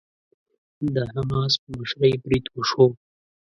د حماس په مشرۍ بريد وشو.